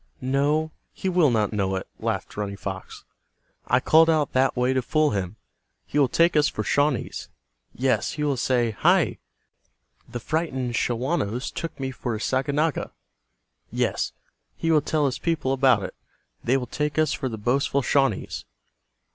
"No, he will not know it," laughed Running Fox. "I called out that way to fool him. He will take us for Shawnees. Yes, he will say, 'Hi, the frightened Shawanos took me for a Saganaga.' Yes, he will tell his people about it. They will take us for the boastful Shawnees."